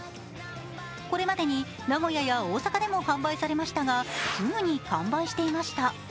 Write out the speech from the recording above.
これまでに名古屋や大阪などでも販売されましたが、すぐに完売していました。